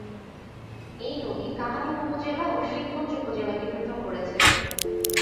এই নদী কাহালু উপজেলা ও শিবগঞ্জ উপজেলাকে পৃথক করেছে।